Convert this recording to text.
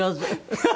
ハハハハ。